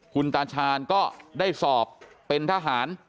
คุณตาชาญก็ได้สอบเป็นทหาร